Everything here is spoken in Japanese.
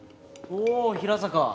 おお平坂。